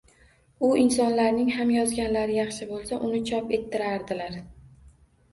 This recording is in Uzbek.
U insonlarning ham yozganlari yaxshi bo‘lsa, uni chop ettirardilar.